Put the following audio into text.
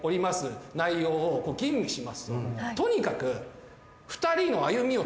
とにかく。